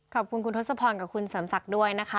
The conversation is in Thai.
ขอบคุณคุณทศพรกับคุณเสริมศักดิ์ด้วยนะคะ